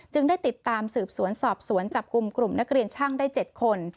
ได้ติดตามสืบสวนสอบสวนจับกลุ่มกลุ่มนักเรียนช่างได้๗คน